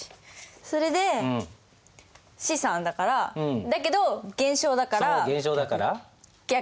それで資産だからだけど減少だから逆。